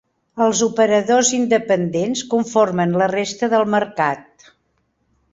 Els operadors independents conformen la resta del mercat.